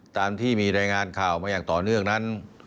ตามที่มีรายงานข่าวมาอย่างต่อเนื่องนั้น